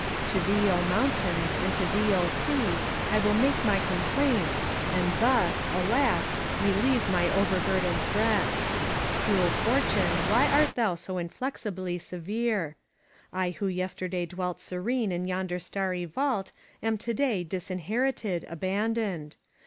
... To thee, O mountains, and to thee, O sea, I will make my complaint, and thus — alas! — re 816 LOS PASTORES Keve my overburdened breast. ..• Cruel fortune, why art thou so inflexibly severe? ... I who yesterday dwelt serene in yonder starry vault am to day disin herited, abandoned.